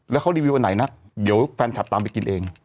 แล้วเขารีวิววันไหนนะเดี๋ยวแฟนคลับตามไปกินเอง